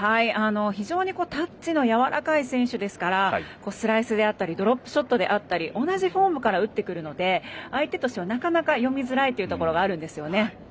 非常にタッチのやわらかい選手ですからスライスであったりドロップショットであったり同じフォームで打ってくるので相手としては、なかなか読みづらいところがあるんですね。